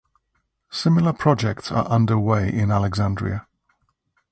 Similar projects are under way in Alexandria.